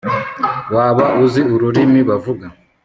Waba uzi ururimi bavuga